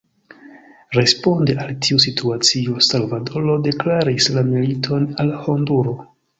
Responde al tiu situacio, Salvadoro deklaris la militon al Honduro.